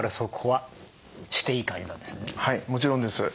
はいもちろんです。